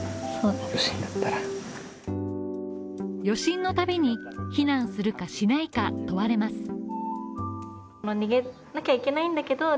余震のたびに、避難するか、しないか問われます。